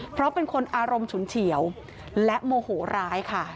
เพราะเป็นคนอารมณ์ฉุนเฉียวและโมโหร้ายค่ะ